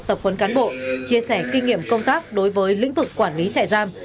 tập huấn cán bộ chia sẻ kinh nghiệm công tác đối với lĩnh vực quản lý trại giam